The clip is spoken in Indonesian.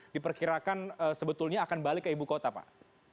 diperkirakan sebetulnya akan balik ke ibu kota pak